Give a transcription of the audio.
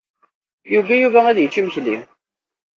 Yugi Yuba ad yečč imekli.